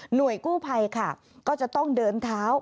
หน่วยกู้ไภค่ะก็จะต้องเดินเท้า